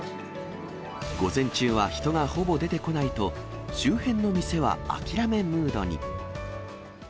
午前中は人がほぼ出てこないと、周辺の店は諦めムードに。